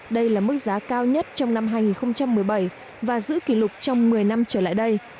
đây là mức giá cao nhất trong năm hai nghìn một mươi bảy và giữ kỷ lục trong một mươi năm trở lại đây